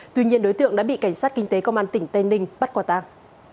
tuy nhiên đối tượng đã bị cảnh sát kinh tế công an tỉnh tây ninh bắt qua tăng